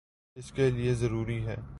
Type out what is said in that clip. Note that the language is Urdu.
اس کے لئیے ضروری ہے